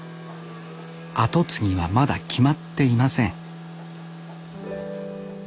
後継ぎはまだ決まっていません